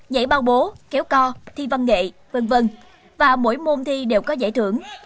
nhảy bao bố kéo co thi văn nghệ v v và mỗi môn thi đều có giải thưởng